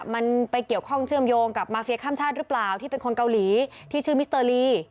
มันไปเกี่ยวข้องเชื่อมโยงกับมาเฟียข้ามชาติหรือเปล่าที่เป็นคนเกาหลีที่ชื่อมิสเตอร์ลี